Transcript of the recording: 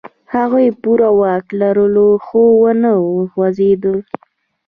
هغوی پوره واک لرلو، خو و نه خوځېدل.